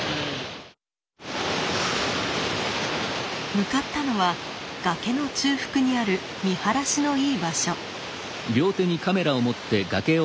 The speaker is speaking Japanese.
向かったのは崖の中腹にある見晴らしのいい場所。